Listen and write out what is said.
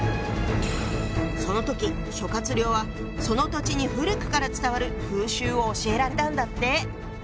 その時諸亮はその土地に古くから伝わる風習を教えられたんだって。